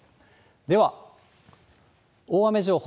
では、大雨情報。